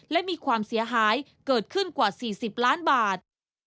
และมีความเสียหายเกิดขึ้นกว่า๔๐ล้านบาท